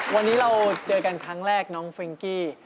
วันนี้เราเจอกันครั้งแรกน้องเฟรงกี้